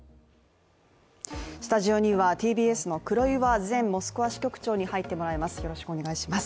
スタジオにはＴＢＳの黒岩前モスクワ支局長に入ってもらいます。